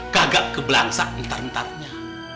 gagak kebelangsang ntar ntarnya